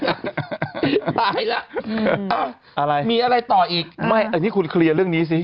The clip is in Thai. ตายแล้วอะไรมีอะไรต่ออีกไม่อันนี้คุณเคลียร์เรื่องนี้สิ